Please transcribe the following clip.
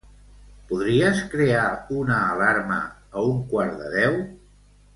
Podries crear una alarma a un quart de deu?